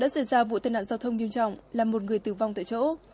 đã xảy ra vụ tên nạn giao thông nghiêm trọng làm một người tử vong tại chỗ